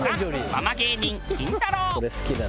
ママ芸人キンタロー。。